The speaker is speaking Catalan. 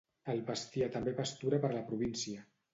El bestiar també pastura per la província.